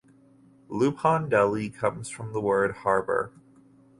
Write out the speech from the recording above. Labuhan Deli comes from the word "Harbour".